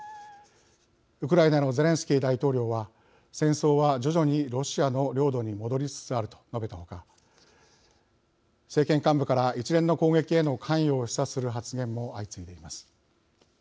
ウクライナのゼレンスキー大統領は戦争は徐々にロシアの領土に戻りつつあると述べたほか政権幹部から一連の攻撃への関与を示唆する発言も相次いでいます。